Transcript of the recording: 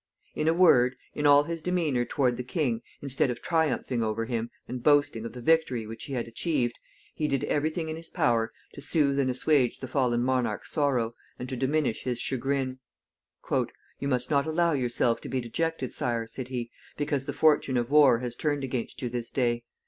In a word, in all his demeanor toward the king, instead of triumphing over him, and boasting of the victory which he had achieved, he did every thing in his power to soothe and assuage the fallen monarch's sorrow, and to diminish his chagrin. "You must not allow yourself to be dejected, sire," said he, "because the fortune of war has turned against you this day.